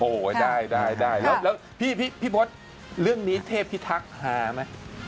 โอ้โหได้ได้แล้วพี่พศเรื่องนี้เทพพิทักษ์ฮาไหม